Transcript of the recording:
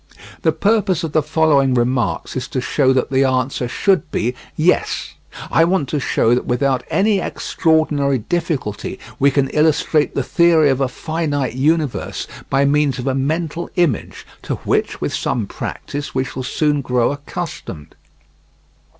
The purpose of the following remarks is to show that the answer should be "Yes." I want to show that without any extraordinary difficulty we can illustrate the theory of a finite universe by means of a mental image to which, with some practice, we shall soon grow accustomed.